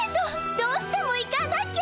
どうしても行かなきゃ！